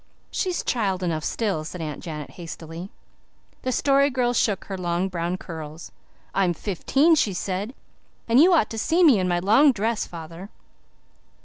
"She's child enough still," said Aunt Janet hastily. The Story Girl shook her long brown curls. "I'm fifteen," she said. "And you ought to see me in my long dress, father."